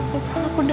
kamu istilahat ya